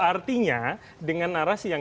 artinya dengan narasi yang